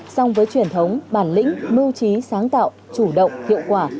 song với truyền thống bản lĩnh mưu trí sáng tạo chủ động hiệu quả